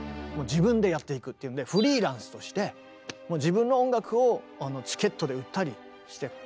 自分でやっていくっていうんでフリーランスとして自分の音楽をチケットで売ったりして。